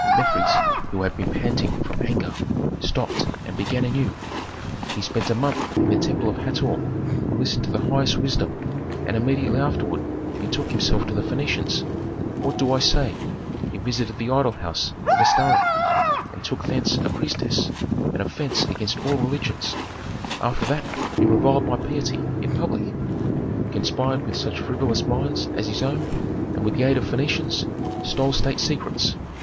Mefres, who had been panting from anger, stopped and began anew, "He spent a month in the temple of Hator, he listened to the highest wisdom, and immediately afterward betook himself to the Phœnicians. What do I say? He visited the idol house of Astarte and took thence a priestess an offence against all religions. After that he reviled my piety, in public; conspired with such frivolous minds as his own, and with the aid of Phœnicians stole state secrets.